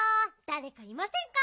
だれかいませんか？